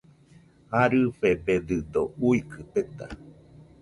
Jarɨfededɨdo uikɨ peta